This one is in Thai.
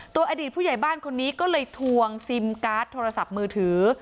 อดีตผู้ใหญ่บ้านคนนี้ก็เลยทวงซิมการ์ดโทรศัพท์มือถือ